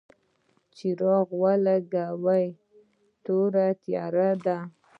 څراغ ولګوه ، توره تیاره ده !